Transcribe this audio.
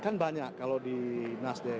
kan banyak kalau di nasdem